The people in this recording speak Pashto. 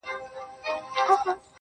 چي د ملا خبري پټي ساتي.